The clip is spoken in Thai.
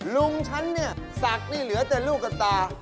ลุงฉันเนี่ยศักดิ์นี่เหลือแต่ลูกกับตา